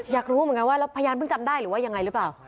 อยากรู้เหมือนกันว่าแล้วพยานเพิ่งจำได้หรือว่ายังไงหรือเปล่า